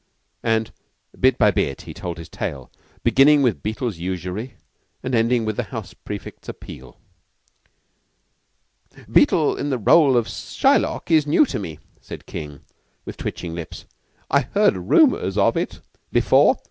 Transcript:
And bit by bit he told his tale, beginning with Beetle's usury, and ending with the house prefects' appeal. "Beetle in the rôle of Shylock is new to me," said King, with twitching lips. "I heard rumors of it " "Before?"